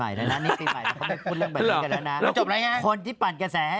ม้ายอีกแล้วเหรอ